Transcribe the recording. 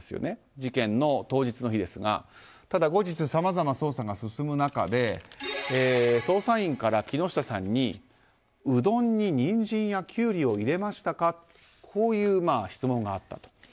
事件の当日の昼ですが後日、さまざま捜査が進む中で捜査員から木下さんにうどんにニンジンやキュウリを入れましたかとこういう質問があったと。